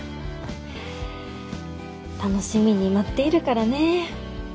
楽しみに待っているからね。